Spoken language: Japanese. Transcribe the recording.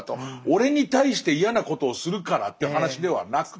俺に対して嫌なことをするからっていう話ではなくて。